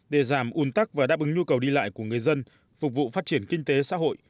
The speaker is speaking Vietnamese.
để giảm un tắc và đáp ứng nhu cầu đi lại của người dân phục vụ phát triển kinh tế xã hội